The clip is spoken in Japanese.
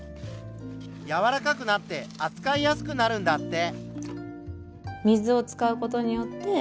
やわらかくなってあつかいやすくなるんだって。